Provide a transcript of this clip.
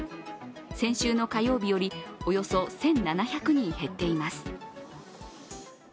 先週の火曜日よりおよそ１７００人減っています。